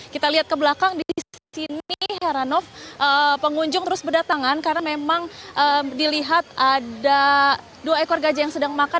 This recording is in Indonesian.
kita lihat ke belakang di sini heranov pengunjung terus berdatangan karena memang dilihat ada dua ekor gajah yang sedang makan